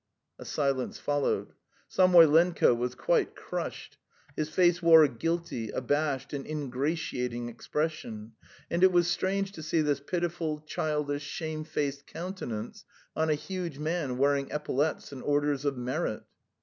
A silence followed. Samoylenko was quite crushed; his face wore a guilty, abashed, and ingratiating expression, and it was strange to see this pitiful, childish, shamefaced countenance on a huge man wearing epaulettes and orders of merit.